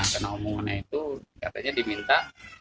karena omongannya itu katanya diminta